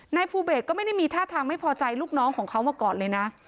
นายภูเบสก็ไม่ได้มีท่าทางไม่พอใจลูกน้องของเขามาก่อนเลยนะ